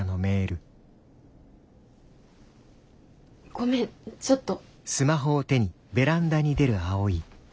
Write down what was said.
ごめんちょっと。